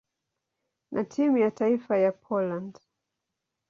na timu ya taifa ya Poland.